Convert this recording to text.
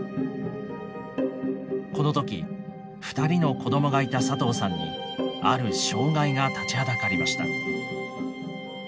この時２人の子どもがいた佐藤さんにある障害が立ちはだかりました。